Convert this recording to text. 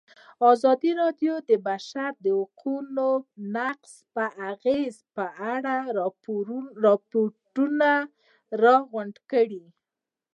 ازادي راډیو د د بشري حقونو نقض د اغېزو په اړه ریپوټونه راغونډ کړي.